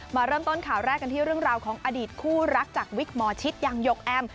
มาเริ่มต้นข่าวแรกกันที่เรื่องราวของอดีตคู่รักจากวิกหมอชิตอย่างหยกแอม